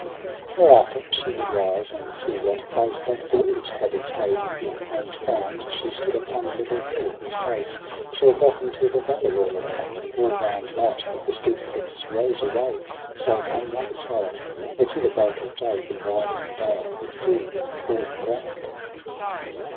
H 5»8 EROS & PSYCHE 3 Thereafter she would rise and see what place That voyage had its haven in, and found She stood upon a little hill, whose base Shelved off into the valley all around ; And all round that the steep cliffs rose away. Save on one side where to the break of day The widening dale withdrew in falling ground.